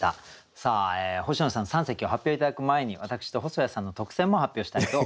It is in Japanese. さあ星野さん三席を発表頂く前に私と細谷さんの特選も発表したいと思います。